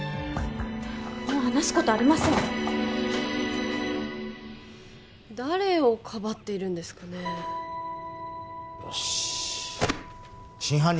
もう話すことありません誰をかばっているんですかねよし真犯人